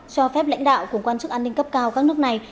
cho phép lãnh đạo cùng quan chức an ninh cấp cao các nước này